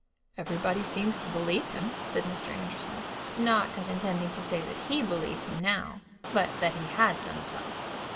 "Everybody seems to believe him," said Mr. Anderson, not as intending to say that he believed him now, but that he had done so.